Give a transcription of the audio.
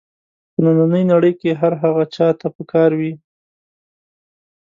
په نننۍ نړۍ کې هر هغه چا ته په کار وي.